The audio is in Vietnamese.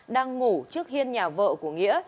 đang ngủ trước hiên nhà vợ của nghĩa